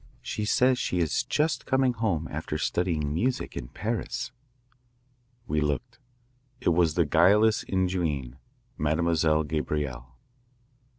"She says she is just coming home after studying music in Paris." We looked. It was the guileless ingenue, Mademoiselle Gabrielle.